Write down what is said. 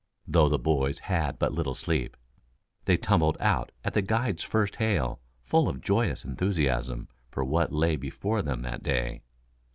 Though the boys had but little sleep, they tumbled out at the guide's first hail, full of joyous enthusiasm for what lay before them that day.